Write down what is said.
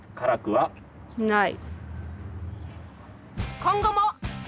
はい。